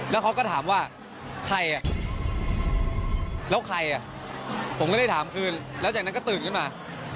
แล้วเขาก็ถามว่าใครอ่ะแล้วใครอ่ะผมก็ได้ถามคืนแล้วจากนั้นก็ตื่นขึ้นมา